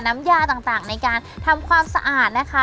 น้ำยาต่างในการทำความสะอาดนะคะ